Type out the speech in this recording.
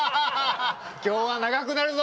今日は長くなるぞ。